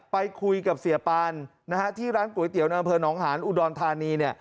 ไปคุยกับเสียปานที่ร้านก๋วยเตี๋ยวน้ำเผลอหนองหาญอุดรธานี